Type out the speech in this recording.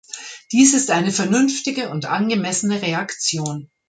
Dies ist eine vernünftige und angemessene Reaktion.